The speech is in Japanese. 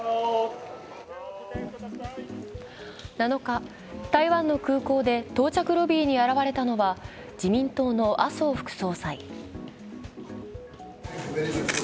７日、台湾の空港で到着ロビーに現れたのは自民党の麻生副総裁。